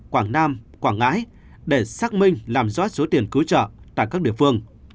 quảng nam quảng ngãi để xác minh làm rõ số tiền cứu trợ tại các địa phương